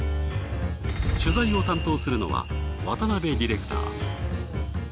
取材を担当するのは渡辺ディレクター。